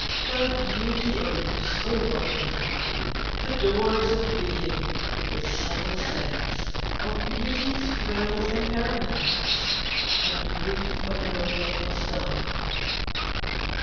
Thy beauty opes, O Butterfly, The doors of being, with subtle sense Of Beauty's frail impermanence, And grief of knowing it must die.